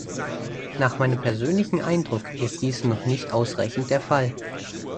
Nach meinem persönlichen Eindruck ist dies noch nicht ausreichend der Fall.